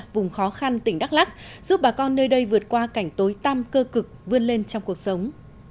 vùng khó khăn tỉnh đắk lắc giúp bà con nơi đây vượt qua cảnh tối tam cơ cực vươn lên trong cuộc sống